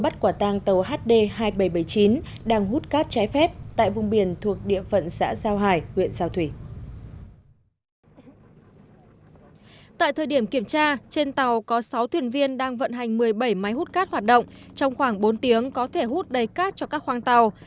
tại thời điểm kiểm tra trên tàu có sáu thuyền viên đang vận hành một mươi bảy máy hút cát hoạt động trong khoảng bốn tiếng có thể hút đầy cát cho các khoang tàu